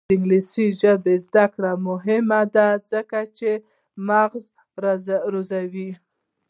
د انګلیسي ژبې زده کړه مهمه ده ځکه چې مغز روزي.